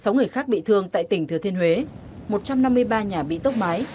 sáu người khác bị thương tại tỉnh thừa thiên huế một trăm năm mươi ba nhà bị tốc mái